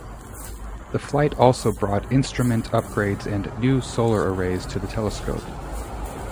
The flight also brought instrument upgrades and new solar arrays to the telescope.